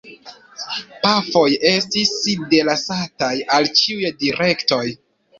Pafoj estis delasataj al ĉiuj direktoj.